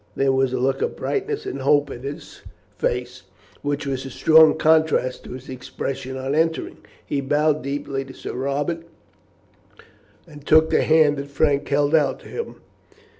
There was a look of brightness and hope in his face, which was a strong contrast to his expression on entering. He bowed deeply to Sir Robert, and took the hand that Frank held out to him.